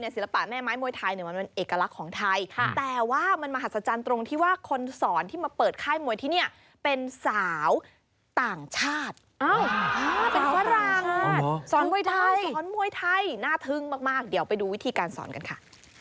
สรรคาราชสอนมวยไทยสอนมวยไทยน่าทึงมากเดี๋ยวไปดูวิธีการสอนกันค่ะ